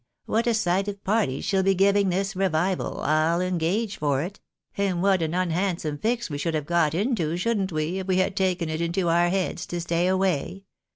what a sight of parties she'll be giving this Revival, I'll engage for it ; and what an unhandsome fix we should have got into, shouldn't we, if we had taken it into our heads to stay away